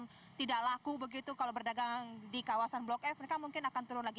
jadi ini memang tidak laku begitu kalau berdagang di kawasan blok f mereka mungkin akan turun lagi